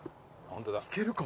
いけるか？